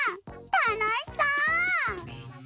たのしそう！